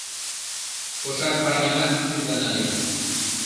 Кошар парнямат тӱганале.